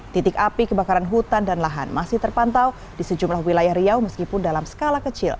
titik api kebakaran hutan dan lahan masih terpantau di sejumlah wilayah riau meskipun dalam skala kecil